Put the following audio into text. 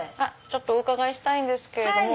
お伺いしたいんですけれども。